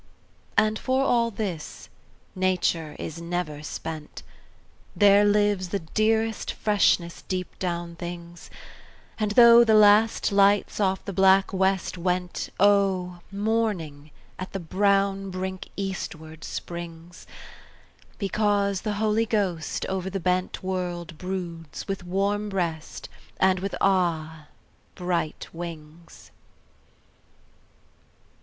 And for all this, nature is never spent; There lives the dearest freshness deep down things; And though the last lights off the black West went Oh, morning, at the brown brink eastward, springs Because the Holy Ghost over the bent World broods with warm breast and with ah! bright wings.